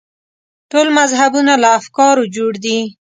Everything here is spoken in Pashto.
ټول مذهبونه له افکارو جوړ دي.